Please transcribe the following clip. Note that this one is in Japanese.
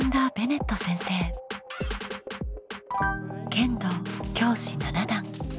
剣道教士７段。